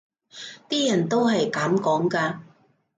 啲人都係噉講㗎